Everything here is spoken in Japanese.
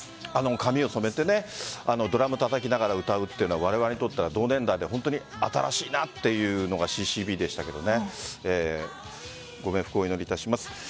髪を染めてドラムをたたきながら歌うというのがわれわれにとっては新しいなというのがＣ‐Ｃ‐Ｂでしたがご冥福をお祈りいたします。